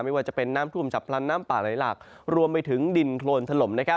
ไม่ว่าจะเป็นน้ำท่วมฉับพลันน้ำป่าไหลหลักรวมไปถึงดินโครนถล่ม